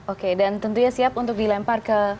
oke dan tentunya siap untuk dilempar ke